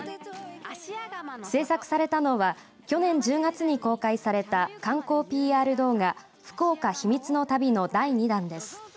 制作されたのは去年１０月に公開された観光ＰＲ動画ふくおか避密の旅の第２弾です。